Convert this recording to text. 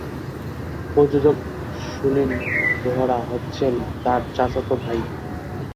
প্রযোজক সুনিল বোহরা হচ্ছেন তার চাচাত ভাই।